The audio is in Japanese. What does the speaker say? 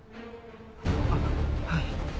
あっはい。